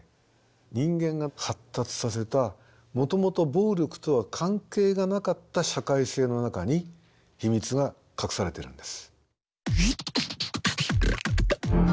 人間が発達させたもともと暴力とは関係がなかった社会性の中に秘密が隠されているんです。